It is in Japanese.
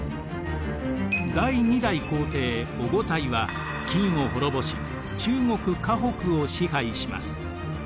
第２代皇帝オゴタイは金を滅ぼし中国・華北を支配します。